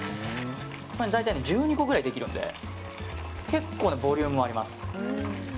大体１２個ぐらいできるんで結構ボリュームもあります。